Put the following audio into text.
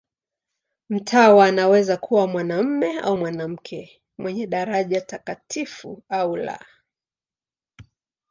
Mtawa anaweza kuwa mwanamume au mwanamke, mwenye daraja takatifu au la.